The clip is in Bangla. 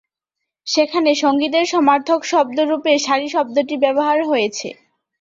সেখানে সঙ্গীতের সমার্থক শব্দ রূপে ‘সারি’ শব্দটির ব্যবহার হয়েছে।